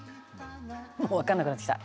「もうわかんなくなってきた」